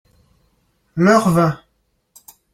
leur vin.